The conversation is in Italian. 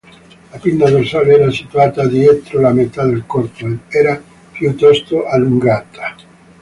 La pinna dorsale era situata dietro la metà del corpo, ed era piuttosto allungata.